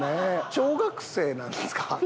小学生なんですか？